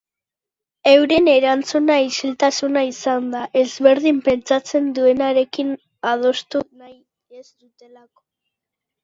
Euren erantzuna isiltasuna izan da, ezberdin pentsatzen duenarekin adostu nahi ez dutelako.